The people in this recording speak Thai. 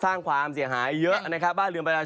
สร้างความเสียหายเยอะนะครับ